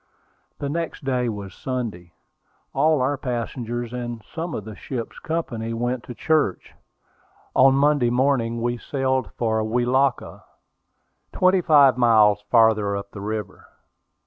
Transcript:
The next day was Sunday; all our passengers, and some of the ship's company, went to church. On Monday morning we sailed for Welaka, twenty five miles farther up the river.